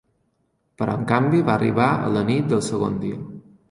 Però, en canvi, va arribar a la nit del segon dia.